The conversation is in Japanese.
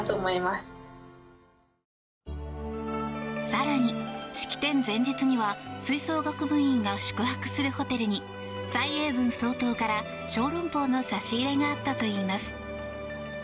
更に、式典前日には吹奏楽部員が宿泊するホテルに蔡英文総統から、小龍包の差し入れがあったといいます。